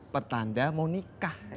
petanda mau nikah